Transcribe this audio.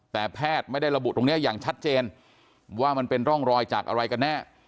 แต่แพทย์ไม่ได้ระบุตรงนี้อย่างชัดเจนว่ามันเป็นร่องรอยจากอะไรกันแน่